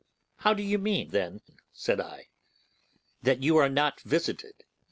'How do you mean, then,' said I, 'that you are not visited?